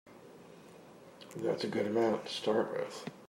That's a good amount to start with.